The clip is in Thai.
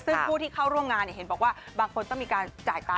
ซึ่งผู้ที่เข้าร่วมงานเห็นบอกว่าบางคนต้องมีการจ่ายตังค์